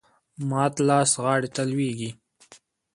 مات لاس غاړي ته لویږي .